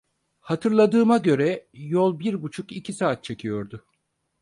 Hatırladığıma göre yol bir buçuk iki saat çekiyordu.